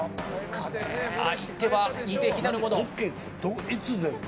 相手は似て非なるもの。